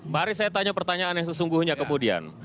mari saya tanya pertanyaan yang sesungguhnya kemudian